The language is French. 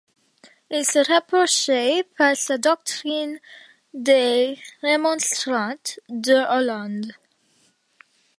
Il se rapprochait par sa doctrine des Remonstrants de Hollande.